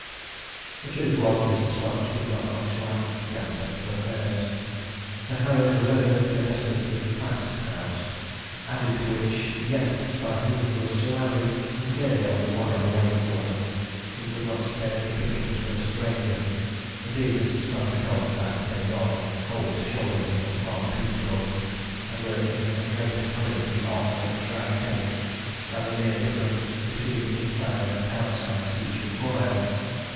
The truth was, Mr. Sponge did not much like the aspect of affairs. Sir Harry's was evidently a desperately 'fast' house; added to which, the guests by whom he was surrounded were clearly of the wide awake order, who could not spare any pickings for a stranger. Indeed, Mr. Sponge felt that they rather cold shouldered him at Farmer Peastraw's, and were in a greater hurry to be off when the drag came, than the mere difference between inside and outside seats required.